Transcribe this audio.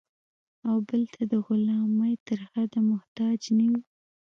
او بل ته د غلامۍ تر حده محتاج نه وي.